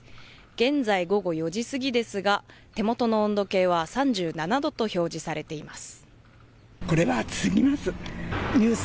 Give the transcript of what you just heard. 現在、午後４時過ぎですが手元の温度計は３７度と表示されています。